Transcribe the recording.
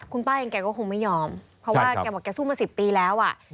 คุณป้าเองแกก็คงไม่ยอมเพราะว่าแกบอกแกสู้มา๑๐ปีแล้วอ่ะ